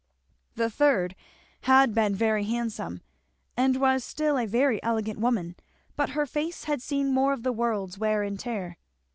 The third had been very handsome, and was still a very elegant woman, but her face had seen more of the world's wear and tear.